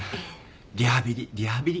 リハビリリハビリ。